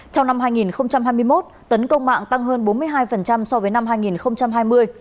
trong năm hai nghìn hai mươi một tấn công mạng tăng hơn bốn mươi hai so với năm hai nghìn hai mươi